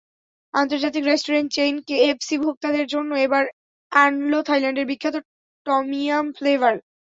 আন্তর্জাতিক restaurant chain KFC ভোক্তাদের জন্য এবার আনল থাইল্যান্ডের বিখ্যাত টমইয়াম ফ্লেভার।